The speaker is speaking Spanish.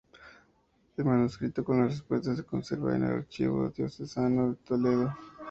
El manuscrito con las respuestas se conserva en el Archivo Diocesano de Toledo.